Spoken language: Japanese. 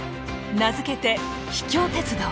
名付けて「秘境鉄道」。